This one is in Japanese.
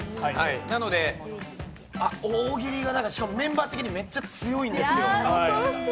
なので大喜利がメンバー的にめっちゃ強いんですよ。